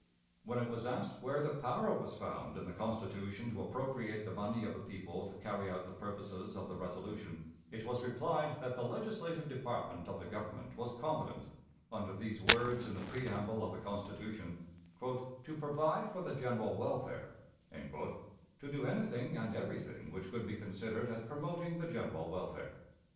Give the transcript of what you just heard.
When it was asked where the power was found in the Constitution to appropriate the money of the people to carry out the purposes of the resolution, it was replied that the legislative department of the Government was competent, under these words in the preamble of the Constitution, "to provide for the general welfare," to do anything and everything which could be considered as promoting the general welfare.